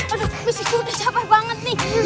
aduh miss gigi udah cabar banget nih